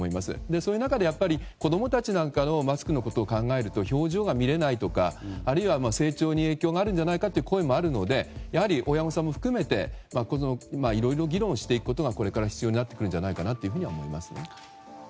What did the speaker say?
そういう中で、子供たちなんかのマスクのことを考えると表情が見れないとかあるいは成長に影響があるんじゃないかという声もあるのでやはり親御さんも含めていろいろ議論していくことがこれから必要になると思います。